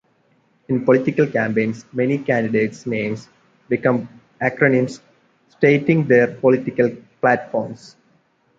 In political campaigns, many candidates names become acronyms stating their political platforms.